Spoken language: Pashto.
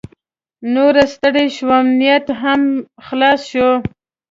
نوره ستړې شوم، نیټ مې هم خلاص شو.